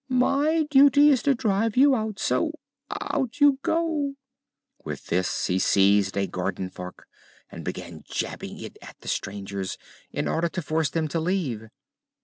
My duty is to drive you out, so out you go!" With this he seized a garden fork and began jabbing it at the strangers, in order to force them to leave.